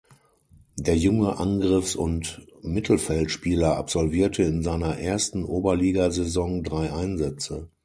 Der junge Angriffs- und Mittelfeldspieler absolvierte in seiner ersten Oberligasaison drei Einsätze.